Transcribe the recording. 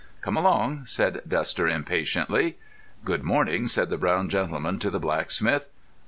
"Come along," said Duster impatiently. "Good morning," said the brown gentleman to the blacksmith.